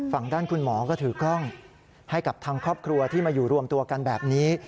ฝั่งด้านคุณหมอก็ถือกล้องให้กับทางครอบครัวที่มาอยู่รวมตัวกันแบบนี้